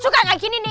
suka gak gini nih